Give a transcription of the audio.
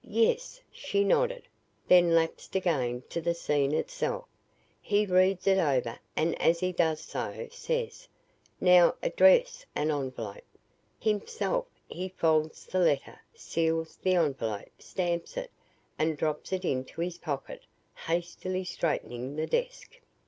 "Yes," she nodded, then lapsed again to the scene itself. "He reads it over and as he does so says, 'Now, address an envelope.' Himself he folds the letter, seals the envelope, stamps it, and drops it into his pocket, hastily straightening the desk.